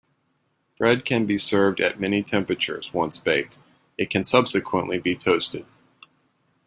Bread can be served at many temperatures; once baked, it can subsequently be toasted.